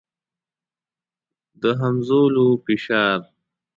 د همځولو فشار.